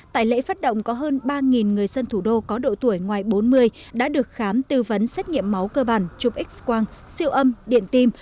tại lễ phát động có hơn ba người dân thủ đô có độ tuổi ngoài bốn mươi đã được khám tư vấn xét nghiệm máu cơ bản chụp x quang siêu âm điện tim